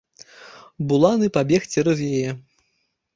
Буланы пабег цераз яе.